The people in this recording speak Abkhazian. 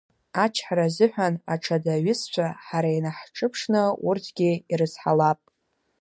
Ачҳара азыҳәан аҽада аҩызцәа, ҳара инаҳҿыԥшны, урҭгьы ирызҳалап!